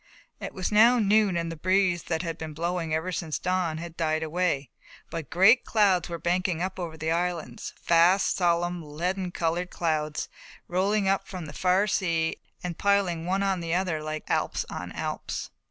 It was now noon and the breeze that had been blowing ever since dawn had died away, but great clouds were banking up over the islands, vast, solemn, leaden coloured clouds rolling up from the far sea and piling one on the other like alps on alps.